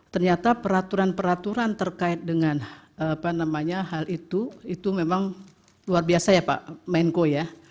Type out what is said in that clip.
ternyata peraturan peraturan terkait dengan hal itu itu memang luar biasa ya pak menko ya